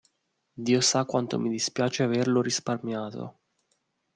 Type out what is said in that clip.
Dio sa quanto mi dispiace averlo risparmiato".